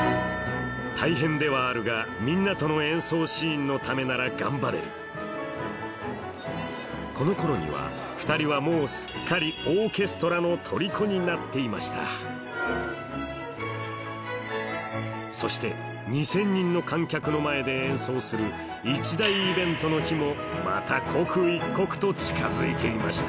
大変ではあるがみんなとの演奏シーンのためなら頑張れるこの頃には２人はもうすっかりになっていましたそして２０００人の観客の前で演奏する一大イベントの日もまた刻一刻と近づいていました